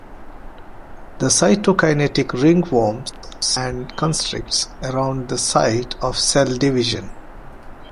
The cytokinetic ring forms and constricts around the site of cell division.